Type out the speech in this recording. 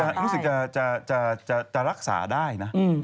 รู้สึกจะรักษาได้นะ